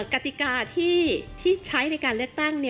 กติกาที่ใช้ในการเลือกตั้ง